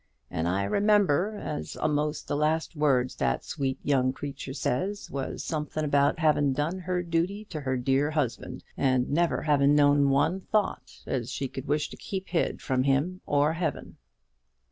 And I remember, as almost the last words that sweet young creature says, was something about having done her duty to her dear husband, and never having known one thought as she could wish to keep hid from him or Heaven."